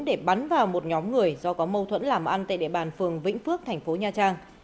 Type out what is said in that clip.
để bắn vào một nhóm người do có mâu thuẫn làm ăn tại địa bàn phường vĩnh phước thành phố nha trang